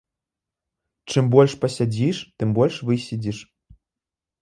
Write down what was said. Чым больш пасядзіш, тым больш выседзіш.